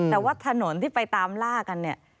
แต่ว่าถนนที่ไปตามล่ากันเนี่ย